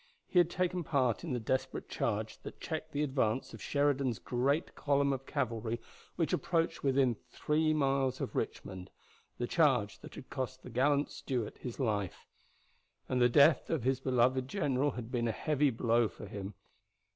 He had taken part in the desperate charge that checked the advance of Sheridan's great column of cavalry which approached within three miles of Richmond, the charge that had cost the gallant Stuart his life; and the death of his beloved general had been a heavy blow for him.